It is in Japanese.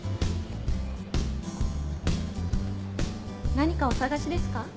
何かお探しですか？